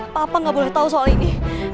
papa nggak boleh tahu soal ini